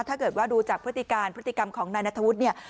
ถ้าเกิดว่าดูจากพฤติการพฤติกรรมของนายนัทธวุฒิเนี่ย